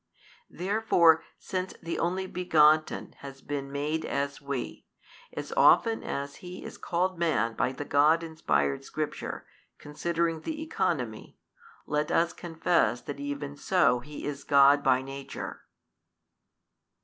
Therefore since the Only Begotten has been made as we, as often as He is called Man by the God inspired Scripture, considering the economy, let us confess that even so is He God by Nature.